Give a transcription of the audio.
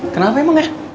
kenapa emang ya